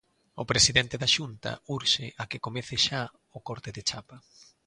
O presidente da Xunta urxe a que comece xa o corte de chapa.